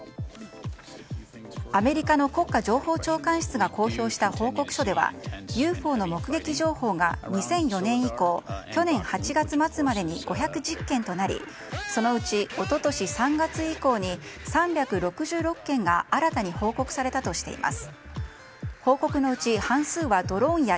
アメリカの国家情報長官室が公表した報告書ではＵＦＯの目撃情報が２００４年以降去年８月末までに５１０件となりそのうち一昨年３月以降に３６６件が新たに報告されたとしています。